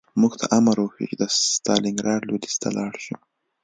موږ ته امر وشو چې د ستالینګراډ لویدیځ ته لاړ شو